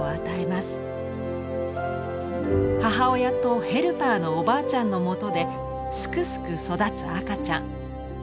母親とヘルパーのおばあちゃんのもとですくすく育つ赤ちゃん。